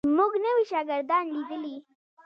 موږ نوي شاګردان لیدلي.